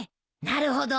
なるほど。